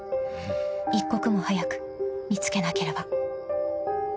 ［一刻も早く見つけなければ］